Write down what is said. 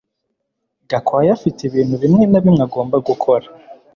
Gakwaya afite ibintu bimwe na bimwe agomba gukora